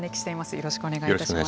よろしくお願いします。